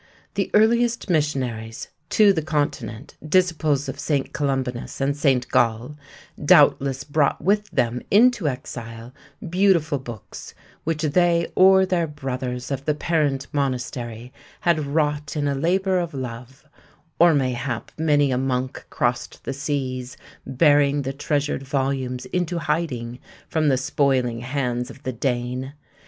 The earliest missionaries to the continent, disciples of St. Columbanus and St. Gall, doubtless brought with them into exile beautiful books which they or their brothers of the parent monastery had wrought in a labor of love; or mayhap many a monk crossed the seas bearing the treasured volumes into hiding from the spoiling hands of the Dane.